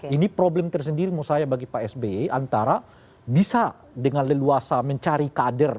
ini problem tersendiri menurut saya bagi pak sby antara bisa dengan leluasa mencari kader